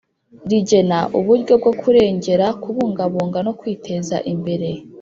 rigena uburyo bwo kurengera kubungabunga no kwiteza imbere